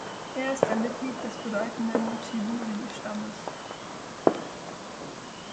Er ist ein Mitglied des bedeutenden Dschiburi-Stammes.